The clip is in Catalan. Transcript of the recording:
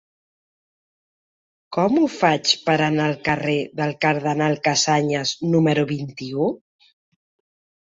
Com ho faig per anar al carrer del Cardenal Casañas número vint-i-u?